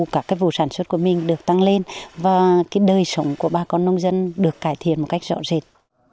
cả cái vụ sản xuất của mình được tăng lên và cái đời sống của bà con nông dân được cải thiện một cách rõ rệt